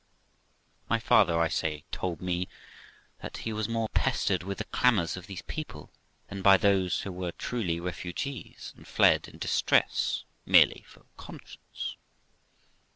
My father, I say, told me that he was more pestered with the clamours of these people than of those who were truly refugees, and fled in distress merely for conscience.